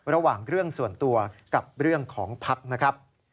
ระหว่างเรื่องส่วนตัวกับเรื่องของภักดิ์นะครับ